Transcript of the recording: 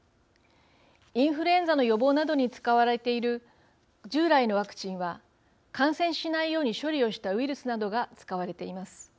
インフルエンザの予防などに使われている従来のワクチンは感染しないように処理したウイルスなどが使われています。